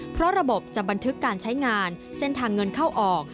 เพราะระบบจะบันทึกการใช้งานเส้นทางเงินเข้าออก